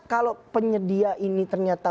kalau penyedia ini ternyata